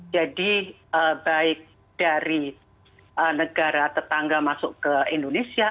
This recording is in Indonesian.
jadi baik dari negara tetangga masuk ke indonesia